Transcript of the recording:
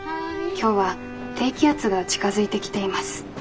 「今日は低気圧が近づいてきています。